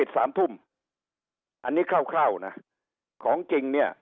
สามทุ่มอันนี้คร่าวนะของจริงเนี่ย